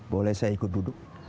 boleh saya ikut duduk